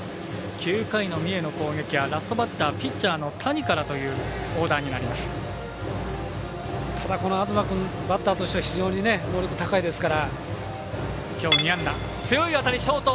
９回の三重の攻撃はラストバッター、ピッチャーのただ、この東君バッターとしては非常に能力が高いですから。